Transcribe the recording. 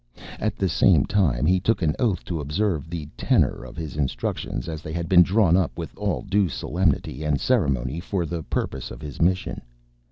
At the same time he took an oath to observe the tenor of his instructions, as they had been drawn up with all due solemnity and ceremony for the purpose of his mission.